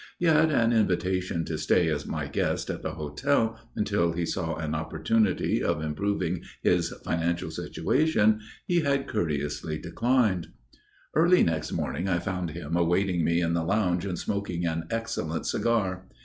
Yet an invitation to stay as my guest at the hotel until he saw an opportunity of improving his financial situation he had courteously declined. Early next morning I found him awaiting me in the lounge and smoking an excellent cigar.